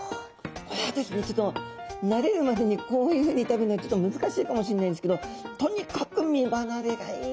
これはですねちょっと慣れるまでにこういうふうに食べるのはちょっと難しいかもしれないんですけど身離れ。